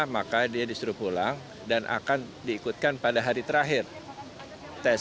maka dia disuruh pulang dan akan diikutkan pada hari terakhir tes